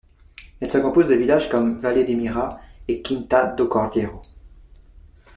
Elle se compose de villages comme Vale de Mira, Quinta do Cordeiro.